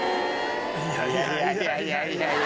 いやいやいやいやいやいや。